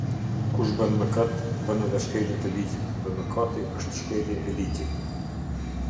Kush bën mëkat, bën edhe shkelje të ligjit; dhe mëkati është shkelje e ligjit.